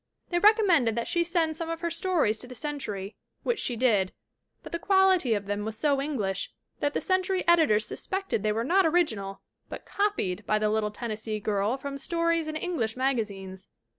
They recom mended that she send some of her stories to the Cen tury, which she did, but the quality of them was so English that the Century editors suspected they were not original but copied by the little Tennessee girl from stories in English magazines.